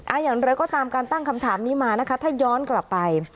อย่างไรก็ตามการตั้งคำถามนี้มานะคะถ้าย้อนกลับไป